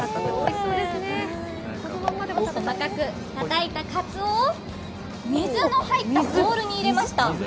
細かくたたいたカツオを水の入ったボウルに入れました。